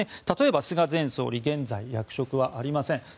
例えば、菅前総理現在、役職はありません。